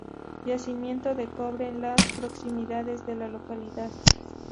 Yacimiento de cobre en las proximidades de la localidad.